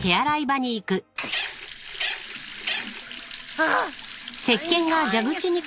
あっ！